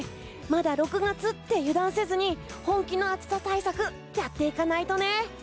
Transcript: まだ６月って油断せずに本気の暑さ対策やっていかないとね。